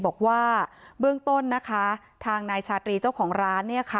บอกว่าเบื้องต้นนะคะทางนายชาตรีเจ้าของร้าน